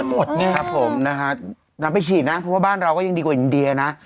อืมครับผมน่ะครับนำไปฉีดน่ะเพราะบ้านเราก็ยังดีกว่าอินเดียนะ